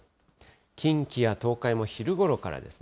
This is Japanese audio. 近畿や東海も昼ごろからですね。